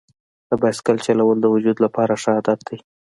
بایسکل چلول د وجود لپاره ښه عادت دی.